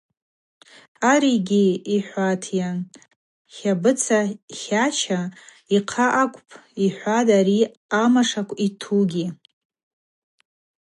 Арыгьи, — йхӏватӏйа, Тлабыца тлача йхъа акӏвапӏ, — йхӏватӏ, — ари амашакв йтугьи.